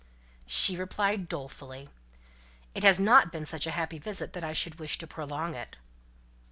she replied dolefully, "It has not been such a happy visit that I should wish to prolong it."